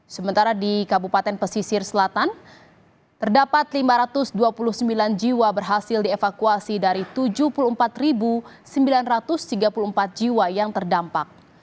sementara di kabupaten pesisir selatan terdapat lima ratus dua puluh sembilan jiwa berhasil dievakuasi dari tujuh puluh empat sembilan ratus tiga puluh empat jiwa yang terdampak